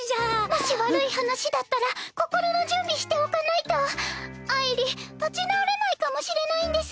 もし悪い話だったら心の準備しておかないとあいり立ち直れないかもしれないんです。